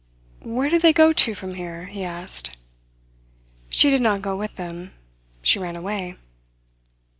"Where did they go to from here?" he asked. "She did not go with them. She ran away."